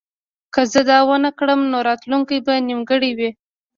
که زه دا ونه کړم نو راتلونکی به نیمګړی وي